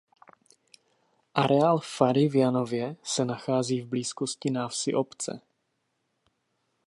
Areál fary v Janově se nachází v blízkosti návsi obce.